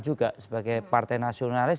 juga sebagai partai nasionalis